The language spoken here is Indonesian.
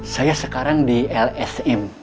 saya sekarang di lsm